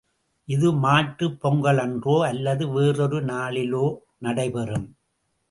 இது மாட்டுப் பொங்கலன்றோ அல்லது வேறொரு நாளிலோ நடைபெறும்.